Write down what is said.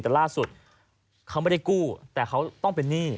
แต่ล่าสุดเขาไม่ได้กู้แต่เขาต้องเป็นหนี้